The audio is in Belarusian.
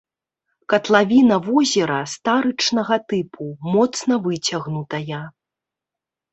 Катлавіна возера старычнага тыпу, моцна выцягнутая.